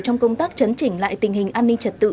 trong công tác chấn chỉnh lại tình hình an ninh trật tự